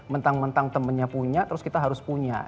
mentang mentang temennya punya terus kita harus punya